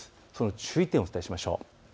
注意点をお伝えしましょう。